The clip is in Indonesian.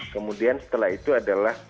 kemudian setelah itu adalah